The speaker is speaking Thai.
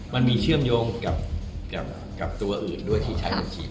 มันมีเชื่อมโยงกับตัวอื่นด้วยที่ใช้บัญชี